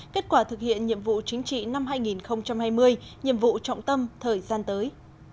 kết quả thực hiện nhiệm vụ chính trị năm hai nghìn hai mươi nhiệm vụ trọng tâm thời gian tới